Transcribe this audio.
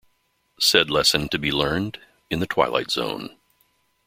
Said lesson to be learned in the Twilight Zone.